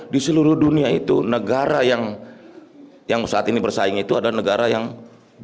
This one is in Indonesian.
di seluruh dunia itu negara yang saat ini bersaing itu adalah negara yang berpen